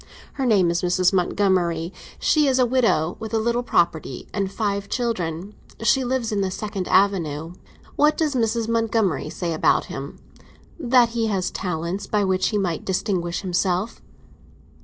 Her name is Mrs. Montgomery; she is a widow, with a little property and five children. She lives in the Second Avenue." "What does Mrs. Montgomery say about him?" "That he has talents by which he might distinguish himself."